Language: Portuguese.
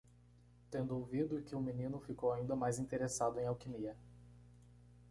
Tendo ouvido que? o menino ficou ainda mais interessado em alquimia.